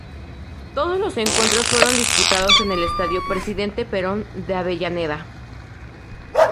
Todos los encuentros fueron disputados en el Estadio Presidente Perón de Avellaneda.